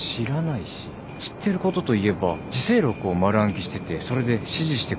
知ってることといえば『自省録』を丸暗記しててそれで指示してくること。